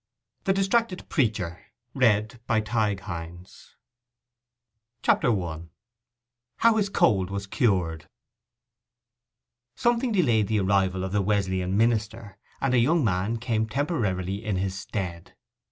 THE DISTRACTED PREACHER CHAPTER I—HOW HIS COLD WAS CURED Something delayed the arrival of the Wesleyan minister, and a young man came temporarily in his stead.